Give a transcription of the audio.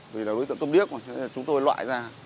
vì là đối tượng cơm điếc mà chúng tôi loại ra